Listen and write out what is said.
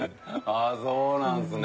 あそうなんですね。